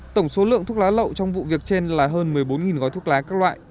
tổng số lượng thuốc lá lậu trong vụ việc trên là hơn một mươi bốn gói thuốc lá các loại